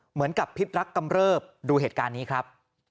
เหมือนกับพิษรักกำเริบดูเหตุการณ์นี้ครับ